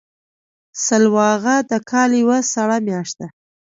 سلواغه د کال یوه سړه میاشت ده.